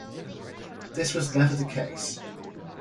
This was never the case.